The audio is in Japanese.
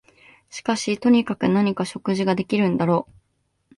しかしとにかく何か食事ができるんだろう